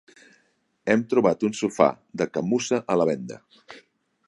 Hem trobat un sofà de camussa a la venda.